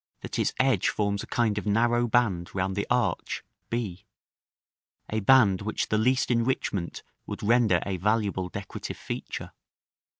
that its edge forms a kind of narrow band round the arch (b), a band which the least enrichment would render a valuable decorative feature.